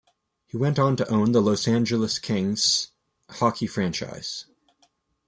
He went on to own the Los Angeles Kings hockey franchise.